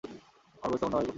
আমার বয়স তখন নয়, নুন্টুর সাত।